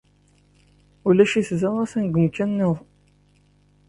Ulac-it da atan deg umkan-nniḍen.